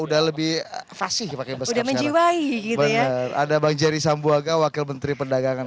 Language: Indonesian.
ada bang jerry sambuaga wakil menteri perdagangan